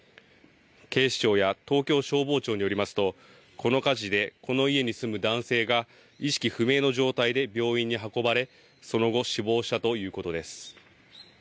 警視庁や東京消防庁によりますとこの火事で、この家に住む男性が意識不明の状態で病院に運ばれその後、死亡したということです。